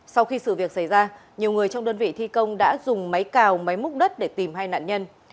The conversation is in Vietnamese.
sau khi sự việc xảy ra nhiều người trong đơn vị thi công đã dùng máy cào máy múc đất để tìm hai nạn nhân